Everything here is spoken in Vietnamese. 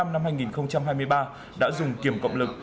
năm hai nghìn hai mươi ba đã dùng kiểm cộng lực